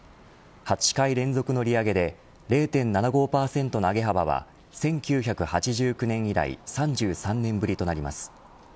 ８回連続の利上げで０．７５％の上げ幅は１９８９年以来３３年ぶりとなります。